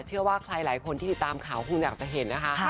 เชื่อว่าใครหลายคนที่ติดตามข่าวคงอยากจะเห็นนะคะ